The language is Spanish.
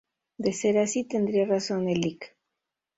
De ser así tendría razón el Lic.